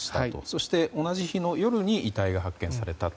そして同じ日の夜に遺体が発見されたと。